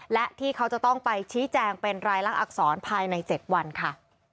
และที่เขาจะต้องไปชี้แจงเป็นรายลักษรภายใน๗วันค่ะ